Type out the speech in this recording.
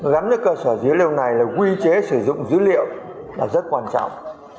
gắn với cơ sở dữ liệu này là quy chế sử dụng dữ liệu là rất quan trọng